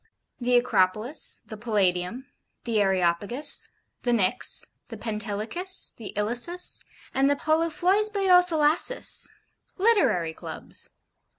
The 'Acropolis,' the 'Palladium,' the 'Areopagus,' the 'Pnyx' the 'Pentelicus,' the 'Ilissus' and the 'Poluphloisboio Thalasses' Literary Clubs.